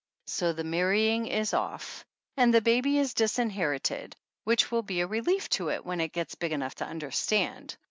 So the marrying is off and the baby is disin herited, which will be a relief to it when it gets big enough to understand.